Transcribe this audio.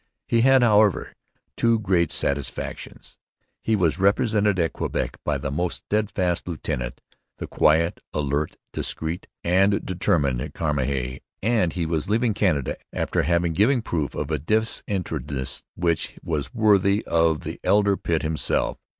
He had, however, two great satisfactions. He was represented at Quebec by a most steadfast lieutenant, the quiet, alert, discreet, and determined Cramahe; and he was leaving Canada after having given proof of a disinterestedness which was worthy of the elder Pitt himself.